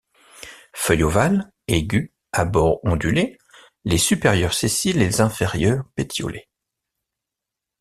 Feuilles ovales, aigües, à bords ondulés, les supérieures sessiles et les inférieures pétiolées.